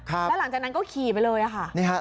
แล้วหลังจากนั้นก็ขี่ไปเลยค่ะนี่ฮะ